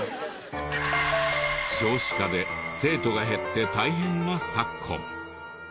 少子化で生徒が減って大変な昨今。